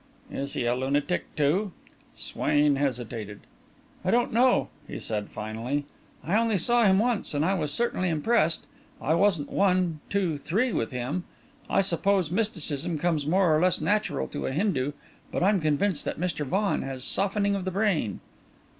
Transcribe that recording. "Is he a lunatic, too?" Swain hesitated. "I don't know," he said, finally. "I only saw him once, and I was certainly impressed I wasn't one, two, three with him. I suppose mysticism comes more or less natural to a Hindu; but I'm convinced that Mr. Vaughan has softening of the brain."